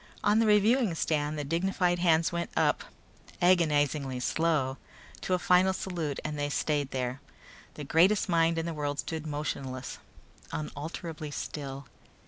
On the reviewing stand the dignified hands went up, agonizingly slow, to a final salute and they stayed there. The greatest minds in the world stood motionless, unalterably still.